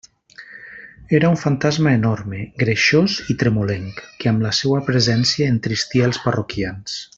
Era un fantasma enorme, greixós i tremolenc, que amb la seua presència entristia els parroquians.